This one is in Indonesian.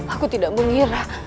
aku tidak mengira